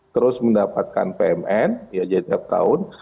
terus mendapatkan pmn ya jadi tiap tahun